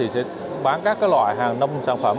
sẽ bán các loại hàng nông sản phẩm